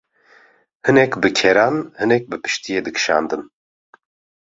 hinek bi keran, hinek bi piştiyê dikşandin.